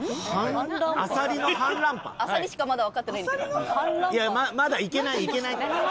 あさりしかまだわかってないんだけど。